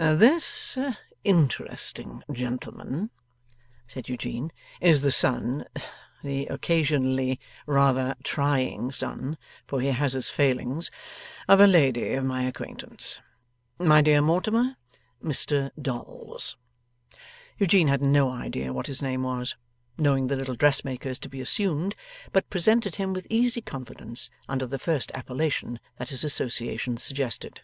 'This interesting gentleman,' said Eugene, 'is the son the occasionally rather trying son, for he has his failings of a lady of my acquaintance. My dear Mortimer Mr Dolls.' Eugene had no idea what his name was, knowing the little dressmaker's to be assumed, but presented him with easy confidence under the first appellation that his associations suggested.